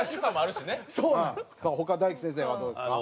他大吉先生はどうですか？